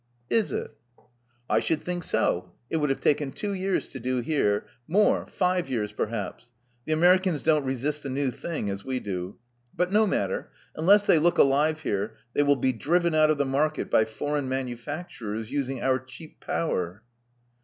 "Is it?" "I should think so. It would have taken two years to do here. More : five years perhaps. The Ameri cans don't resist a new thing as we do. But no matter. ^ Unless they look alive here, they will be driven out oj^ the market by foreign manufacturers using our cheap power.